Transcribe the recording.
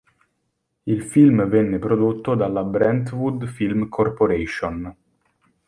Il film venne prodotto dalla Brentwood Film Corporation.